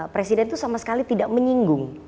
presiden itu sama sekali tidak menyinggung